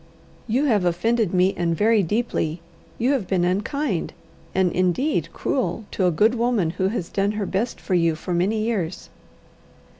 "You have offended me, and very deeply. You have been unkind and indeed cruel to a good woman who has done her best for you for many years!"